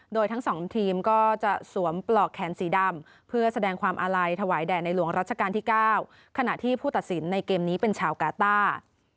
โดยทั้งสองทีมก็จะสวมปลอกแขนสีดำเพื่อแสดงความอาลัยถวายแด่ในหลวงรัชกาลที่๙ขณะที่ผู้ตัดสินในเกมนี้เป็นชาวกาต้า